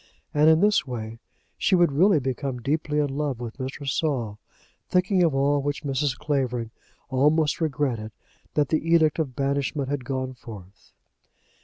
And in this way she would really become deeply in love with Mr. Saul; thinking of all which Mrs. Clavering almost regretted that the edict of banishment had gone forth.